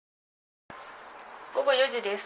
午後４時です。